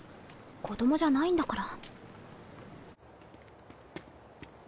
子供じゃないんだから。